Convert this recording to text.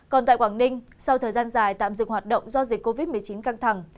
còn tại quảng ninh sau thời gian dài tạm dừng hoạt động do dịch covid một mươi chín căng thẳng